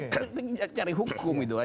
karena cari hukum itu kan